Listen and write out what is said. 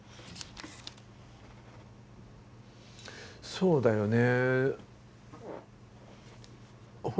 そうだよね。